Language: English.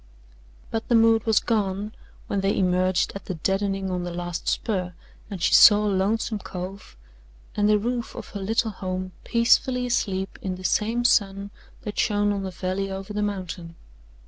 But the mood was gone when they emerged at the "deadening" on the last spur and she saw Lonesome Cove and the roof of her little home peacefully asleep in the same sun that shone on the valley over the mountain.